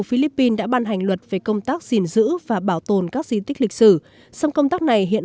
philippines đã ban hành luật về công tác gìn giữ và bảo tồn các di tích lịch sử song công tác này hiện